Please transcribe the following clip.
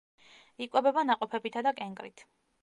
იკვებება ნაყოფებითა და კენკრით.